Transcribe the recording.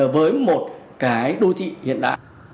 với một cái đô thị hiện đại